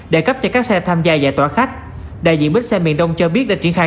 để cấp cho các xe tham gia giải tỏa khách đại diện bến xe miền đông cho biết đã triển khai